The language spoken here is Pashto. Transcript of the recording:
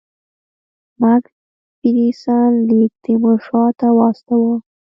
مک فیرسن لیک تیمورشاه ته واستاوه.